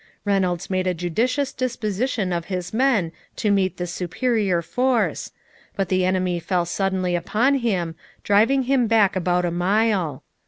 Reynolds made a judicious disposition of his men to meet this superior force, but the enemy fell suddenly upon him, driving him back about a mile.